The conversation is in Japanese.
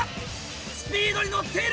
スピードに乗っている！